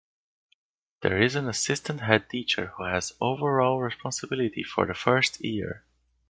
There is an Assistant Head Teacher who has overall responsibility for the first year.